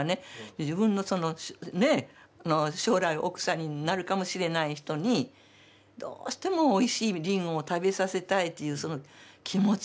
自分の将来奥さんになるかもしれない人にどうしてもおいしいリンゴを食べさせたいというその気持ちがね